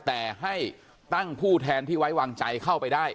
แต่ให้ตั้งผู้แทนที่ไว้วางใจเข้าไปได้